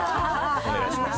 お願いします。